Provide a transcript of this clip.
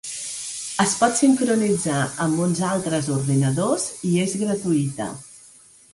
Es pot sincronitzar amb uns altres ordinadors i és gratuïta.